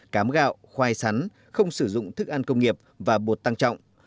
cám gạo khoai sắn không sử dụng thức ăn công nghiệp và bột tăng trọng